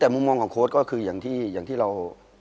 แต่มุมมองของโค้ดก็คืออย่างที่เรา